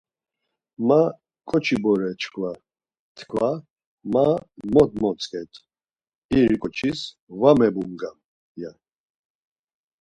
Ma ǩoçi bore çkva tkva ma mot motzǩelt, iri ǩoçis var mebungam ya.